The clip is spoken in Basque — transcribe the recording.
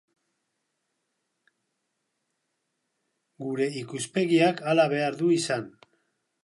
Gure ikuspegiak hala behar du izan.